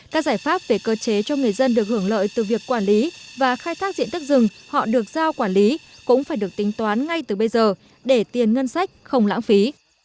các giải pháp về cơ chế cho người dân được hưởng lợi từ việc quản lý và khai thác diện tích rừng họ được giao quản lý cũng phải được tính toán ngay từ bây giờ để tiền ngân sách không lãng phí